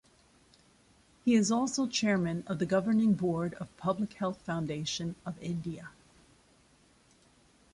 He is also Chairman of the Governing board of Public Health Foundation of India.